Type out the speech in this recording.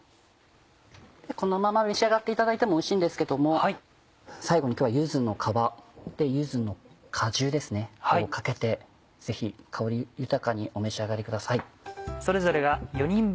このまま召し上がっていただいてもおいしいんですけども最後に今日は柚子の皮柚子の果汁を掛けてぜひ香り豊かにお召し上がりください。